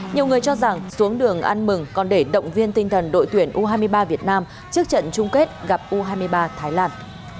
nhiều người cho rằng xuống đường ăn mừng còn để động viên tinh thần đội tuyển u hai mươi ba việt nam trước trận chung kết gặp u hai mươi ba thái lan